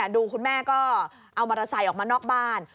ดูคุณแม่ก็เอามอเตอร์ไซค์ออกมานอกบ้าน